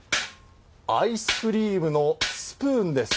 アイスクリームのスプーンです。